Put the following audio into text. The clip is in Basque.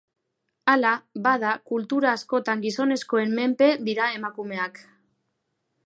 Hala, bada, kultura askotan gizonezkoen menpe dira emakumeak.